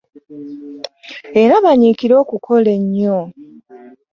Era banyiikire okukola ennyo.